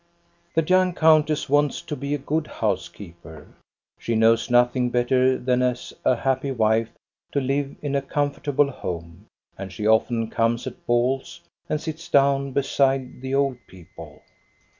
The young countess wants to be a good house keeper. She knows nothing better than as a happy wife to live in a comfortable home, and she often comes at balls, and sits down beside the old people.